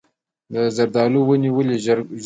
د زردالو ونې ولې ژر ګل کوي؟